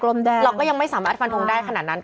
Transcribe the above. เราก็ยังไม่สามารถฟันทงได้ขนาดนั้น